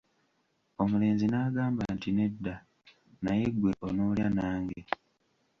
Omulenzi n'agamba nti Nedda, naye ggwe onoolya nange!